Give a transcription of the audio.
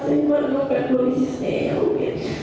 saya merupakan kudis istri yang rumit